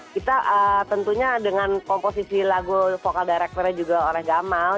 kita tentunya dengan komposisi lagu vocal directornya juga oleh gamal